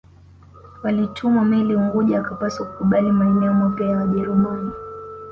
Walituma meli Unguja akapaswa kukubali maeneo mapya ya Wajerumani